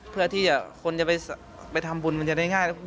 เพื่อที่คนจะไปทำบุญมันจะได้ง่าย